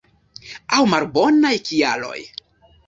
Aŭ malbonaj kialoj.